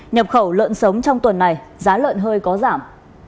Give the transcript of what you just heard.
nhập khẩu lợn sống trong tuần này giá lợn hơi có giảm